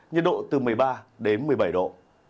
nhiệt độ từ một mươi ba đến một mươi bảy độ